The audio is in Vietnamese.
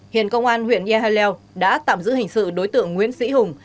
hiện công an huyện e hà leo đã tạm giữ hình sự đối tượng nguyễn sĩ hùng